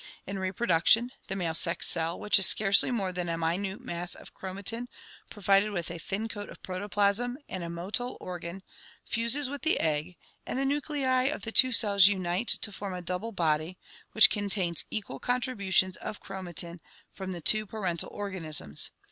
In reproduction, the male sex cell, which is scarcely more than a minute mass of chromatin pro vided with a thin coat of protoplasm and a motile organ, fuses with the egg, and the nuclei of the two cells unite to form a double body, which contains equal contributions of chromatin from the two parental organisms.